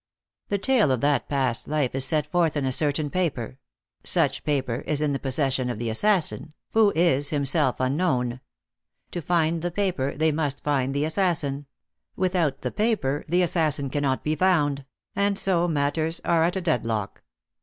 The tale of that past life is set forth in a certain paper; such paper is in the possession of the assassin, who is himself unknown. To find the paper, they must find the assassin; without the paper the assassin cannot be found; and so matters are at a deadlock.